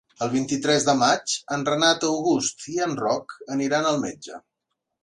El vint-i-tres de maig en Renat August i en Roc aniran al metge.